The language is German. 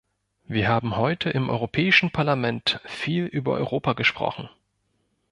Wir haben heute im Europäischen Parlament viel über Europa gesprochen.